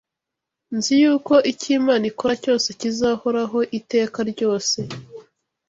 Nzi yuko icyo Imana ikora cyose kizahoraho iteka ryose